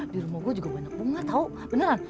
di rumah gue juga banyak bunga tahu beneran